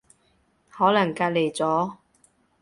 可能隔離咗